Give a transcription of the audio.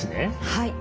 はい。